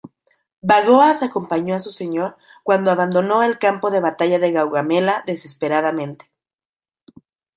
Bagoas acompañó a su señor cuando abandonó el campo de batalla de Gaugamela desesperadamente.